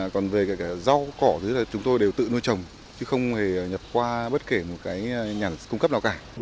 còn về rau cỏ chúng tôi đều tự nuôi trồng chứ không hề nhập qua bất kể một nhà cung cấp nào cả